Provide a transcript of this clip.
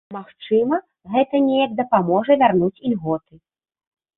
Магчыма, гэта неяк дапаможа вярнуць ільготы.